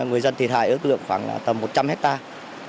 người dân thiệt hại ước lượng khoảng tầm một trăm linh hectare